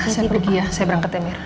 saya pergi ya saya berangkat ya mir